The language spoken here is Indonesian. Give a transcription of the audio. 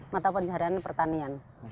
mata penjaraan pertanian